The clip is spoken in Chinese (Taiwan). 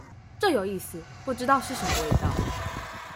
這有意思，不知道是什麼味道